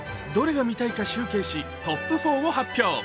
どれが見たいか集計し、トップ４を発表。